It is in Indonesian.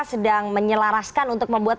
sedang menyelaraskan untuk membuat